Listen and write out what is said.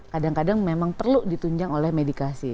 kadang kadang memang perlu ditunjang oleh medikasi